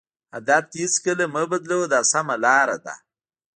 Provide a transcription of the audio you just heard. هدف دې هېڅکله مه بدلوه دا سمه لار ده.